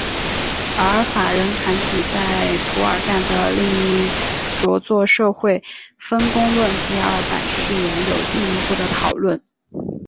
而法人团体在涂尔干的另一着作社会分工论第二版序言有进一步的讨论。